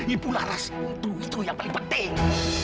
ipulah rasa itu itu yang paling penting